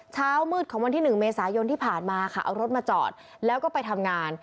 เช้ามืดของวันที่๑เมษายนที่ผ่านมาค่ะเอารถมาจอดแล้วก็ไปทำงาน